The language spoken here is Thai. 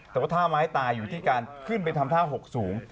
แต่ว่าท่าไม้ตายอยู่ที่การขึ้นไปทำท่าหกสูง